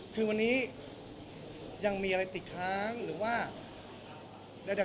คือวันนี้ยังมีอะไรติดค้างหรือว่า